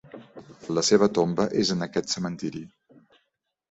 "La seva tomba és en aquest cementiri."